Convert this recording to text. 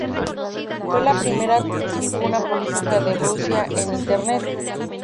Fue la primera tribuna política de Rusia en Internet.